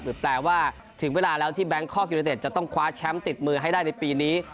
แปลว่าถึงเวลาแล้วที่แบงคอกยูนิเต็ดจะต้องคว้าแชมป์ติดมือให้ได้ในปีนี้